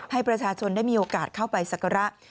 ให้ประชาชนได้มีโอกาสเข้าไปสักการะ